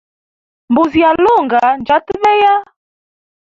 Mbuzi ya lunga njyata beya.